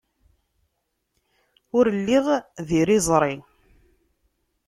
Ur lliɣ d iriẓri.